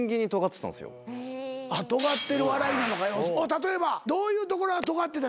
例えばどういうところがとがってた？